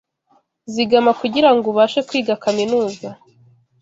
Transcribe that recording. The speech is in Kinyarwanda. Zigama kugirango ubashe kwiga kaminuza.